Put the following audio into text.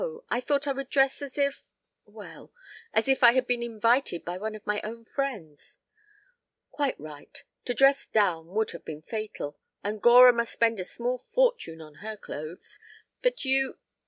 . I thought I would dress as if well, as if I had been invited by one of my own friends " "Quite right. To 'dress down' would have been fatal. And Gora must spend a small fortune on her clothes. ... But you